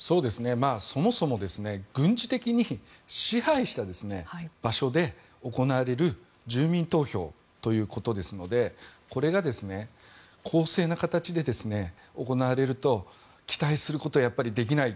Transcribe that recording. そもそも軍事的に支配した場所で行われる住民投票ということですのでこれが公正な形で行われると期待することはやっぱり、できない。